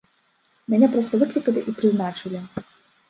Мяне проста выклікалі і прызначылі!